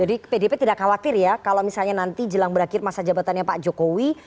jadi pdp tidak khawatir ya kalau misalnya nanti jelang berakhir masa jabatannya pak jokowi